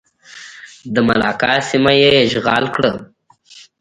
د ملاکا سیمه یې اشغال کړه.